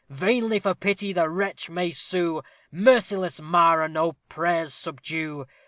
Vainly for pity the wretch may sue Merciless Mara no prayers subdue!